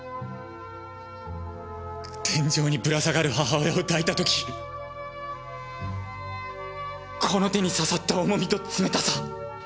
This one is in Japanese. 天井にぶら下がる母親を抱いた時この手に刺さった重みと冷たさ。